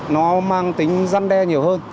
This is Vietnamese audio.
nó mang tính răn đe nhiều hơn